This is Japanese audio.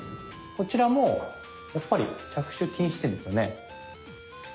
こちらもやっぱり着手禁止点ですよね。